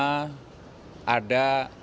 kita ini mendukung pemerintah itu kan selama